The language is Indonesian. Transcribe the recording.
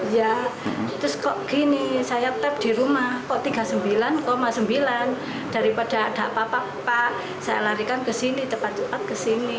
ya terus kok gini saya tap di rumah kok tiga puluh sembilan sembilan daripada ada apa apa saya larikan ke sini tepat cepat kesini